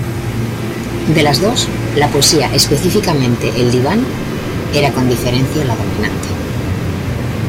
De las dos, la poesía —específicamente el diván— era con diferencia la dominante.